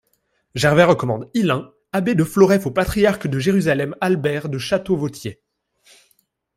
Gervais recommande Hillin, abbé de Floreffe au patriarche de Jérusalem Albert de Château-Vautier.